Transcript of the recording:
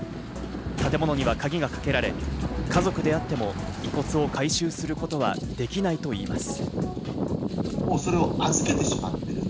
建物には鍵がかけられ、家族であっても遺骨を回収することはできないと言います。